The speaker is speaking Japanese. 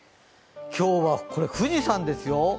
今日は、これ、富士山ですよ。